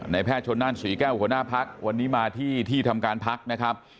แพทย์ชนนั่นศรีแก้วหัวหน้าพักวันนี้มาที่ที่ทำการพักนะครับ